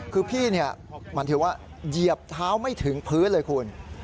คือพี่มันถือว่าเหยียบเท้าไม่ถึงพื้นเลยคุณ